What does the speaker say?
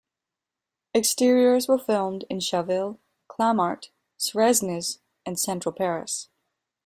Exteriors were filmed in Chaville, Clamart, Suresnes, and central Paris.